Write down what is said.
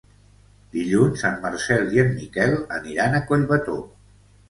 Dilluns en Marcel i en Miquel aniran a Collbató.